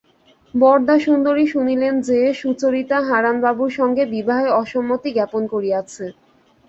বরদাসুন্দরী শুনিলেন যে, সুচরিতা হারানবাবুর সঙ্গে বিবাহে অসম্মতি জ্ঞাপন করিয়াছে।